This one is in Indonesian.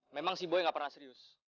memang si boy gak pernah serius